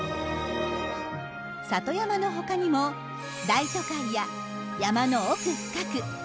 里山の他にも大都会や山の奥深く